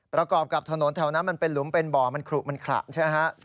ประกอบกับถนนแถวนั้นมันเป็นหลุมเป็นบ่อมันขลุมันขระใช่ไหมฮะ